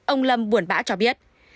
ông lâm buồn bã cho biết